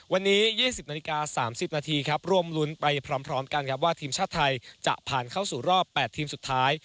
วันนี้๒๐นาฬิกา๓๐นาทีครับร่วมรุ้นไปพร้อมกันครับว่าทีมชาติไทยจะผ่านเข้าสู่รอบ๘ทีมสุดท้าย